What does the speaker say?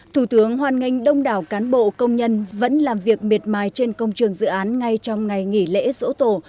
thủ tướng hoan nghênh đông đảo cán bộ công nhân vẫn làm việc miệt mài trên công trường dự án ngay trong ngày nghỉ lễ dỗ tổ